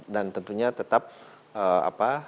dan tentunya tetap apa